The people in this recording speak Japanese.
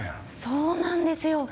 そうなんですよ。